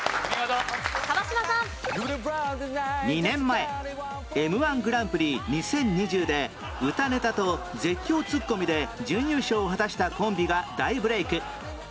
２年前 Ｍ−１ グランプリ２０２０で歌ネタと絶叫ツッコミで準優勝を果たしたコンビが大ブレーク